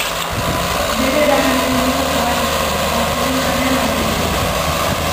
Bere eragin eremua zabala zen, Bartzelona aldean batez ere.